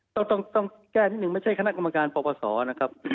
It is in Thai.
ต้องแก้นิดนึงไม่ใช่คณะกรรมการปปศนะครับ